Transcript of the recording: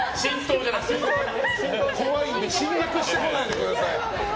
怖いので侵略しないでください。